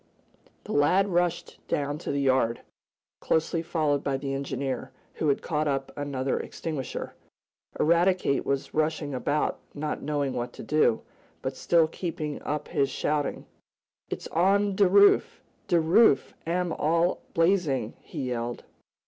The lad rushed down to the yard, closely followed by the engineer, who had caught up another extinguisher. Eradicate was rushing about, not knowing what to do, but still keeping up his shouting. "It's on de roof! De roof am all blazin'!" he yelled.